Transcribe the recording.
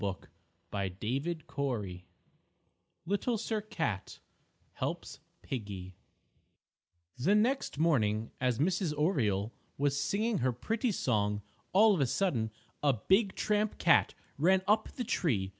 LITTLE SIR CAT Little Sir Cat Helps Piggie The next morning as Mrs. Oriole was singing her pretty song, all of a sudden, a big tramp cat ran up the tree.